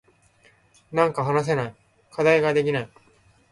なんか話せない。課題ができない。